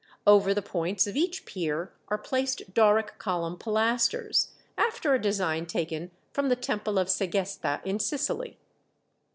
Over the points of each pier are placed Doric column pilasters, after a design taken from the Temple of Segesta in Sicily.